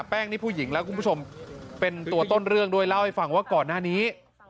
แป้งนี่ผู้หญิงแล้วคุณผู้ชมเป็นตัวต้นเรื่องด้วยเล่าให้ฟังว่าก่อนหน้านี้